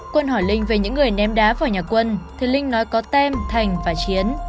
quân hỏi linh về những người đem đá vào nhà quân thì linh nói có têm thành và chiến